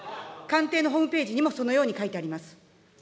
官邸のホームページにもそのように書いてあります。